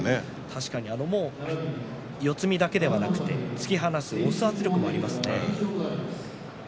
確かに四つ身だけではなく突き放す、押す圧力もありますね。